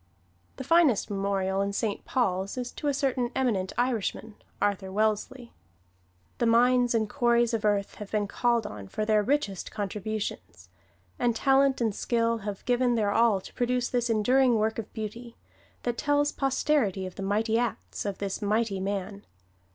The finest memorial in Saint Paul's is to a certain eminent Irishman, Arthur Wellesley. The mines and quarries of earth have been called on for their richest contributions; and talent and skill have given their all to produce this enduring work of beauty, that tells posterity of the mighty acts of this mighty man.